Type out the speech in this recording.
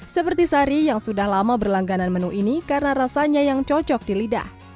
seperti sari yang sudah lama berlangganan menu ini karena rasanya yang cocok di lidah